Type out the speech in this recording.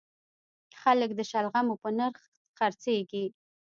خلک د شلغمو په نرخ خرڅیږي